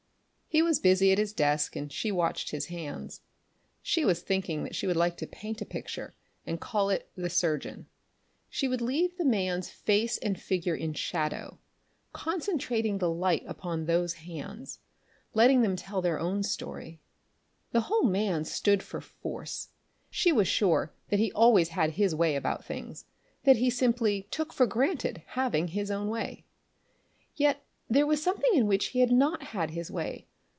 He was busy at his desk, and she watched his hands. She was thinking that she would like to paint a picture and call it "The Surgeon." She would leave the man's face and figure in shadow, concentrating the light upon those hands, letting them tell their own story. The whole man stood for force. She was sure that he always had his way about things, that he simply took for granted having his own way. Yet there was something in which he had not had his way.